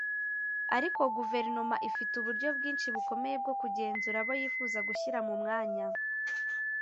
ariko guverinoma ifite uburyo bwinshi bukomeye bwo kugenzura abo yifuza gushyira mu mwanya